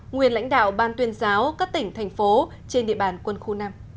nguyên lãnh đạo ban tuyên giáo các tỉnh thành phố trên địa bàn quân khu năm